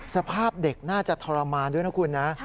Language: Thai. สภาพเด็กน่าจะทรมานด้วยนะคุณนะ